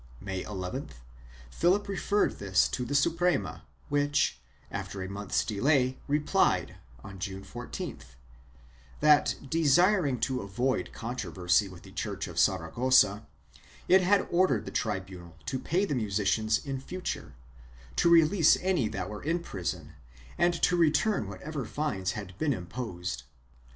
May llth Philip referred this to the Suprema which, after a month's delay, replied, June 14th, that, desiring to avoid controversy with the church of Saragossa, it had ordered the tribunal to pay the musicians in future, to release any that were in prison and to return whatever fines had been imposed.